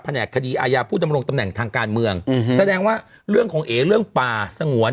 แหนกคดีอาญาผู้ดำรงตำแหน่งทางการเมืองอืมแสดงว่าเรื่องของเอเรื่องป่าสงวน